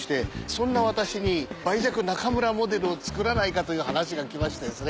そんな私に梅雀中村モデルを作らないかという話が来ましてですね